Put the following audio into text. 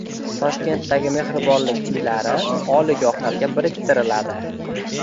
Toshkentdagi mehribonlik uylari oliygohlarga biriktiriladi